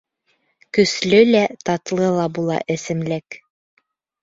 Көслө лә, татлы ла була эсемлек.